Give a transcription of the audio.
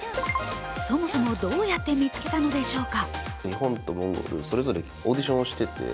そもそもどうやって見つけたのでしょうか。